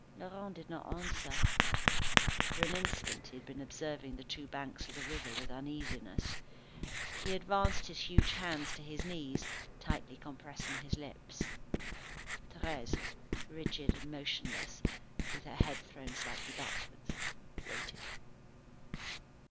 Laurent did not answer. For an instant he had been observing the two banks of the river with uneasiness. He advanced his huge hands to his knees, tightly compressing his lips. Thérèse, rigid and motionless, with her head thrown slightly backward, waited.